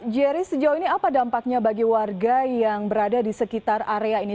jerry sejauh ini apa dampaknya bagi warga yang berada di sekitar area ini